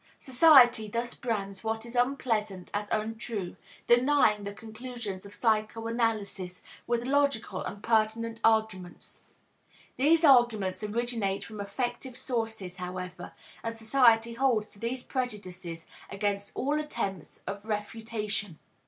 Society thus brands what is unpleasant as untrue, denying the conclusions of psychoanalysis with logical and pertinent arguments. These arguments originate from affective sources, however, and society holds to these prejudices against all attempts at refutation.